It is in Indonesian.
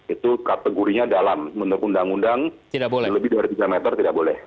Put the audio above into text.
itu kategorinya dalam menurut undang undang lebih dari tiga meter tidak boleh